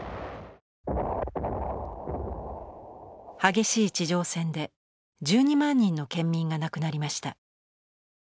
激しい地上戦で１２万人の県民が亡くなりました。